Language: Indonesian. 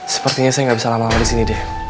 sepertinya saya gak bisa lama lama disini deh